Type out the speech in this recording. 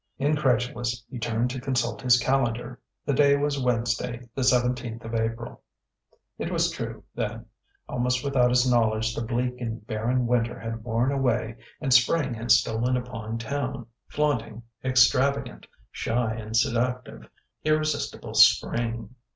Incredulous, he turned to consult his calendar: the day was Wednesday, the seventeenth of April. It was true, then: almost without his knowledge the bleak and barren Winter had worn away and Spring had stolen upon Town, flaunting, extravagant, shy and seductive, irresistible Spring....